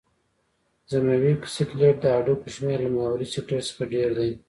ضمیموي سکلېټ د هډوکو شمېر له محوري سکلېټ څخه ډېر دی.